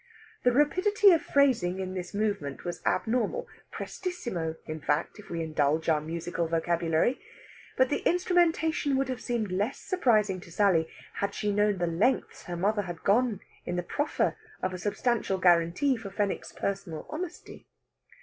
The rapidity of phrasing in this movement was abnormal prestissimo, in fact, if we indulge our musical vocabulary. But the instrumentation would have seemed less surprising to Sally had she known the lengths her mother had gone in the proffer of a substantial guarantee for Fenwick's personal honesty.